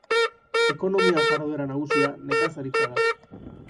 Ekonomia jarduera nagusia nekazaritza da.